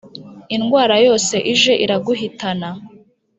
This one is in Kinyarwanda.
indwara yose ije iraguhitana